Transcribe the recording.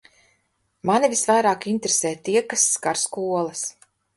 Mani visvairāk interesē tie, kas skar skolas.